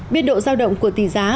biên độ giao động của tỷ giá